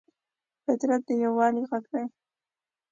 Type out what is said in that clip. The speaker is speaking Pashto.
فطرت د یووالي غږ دی.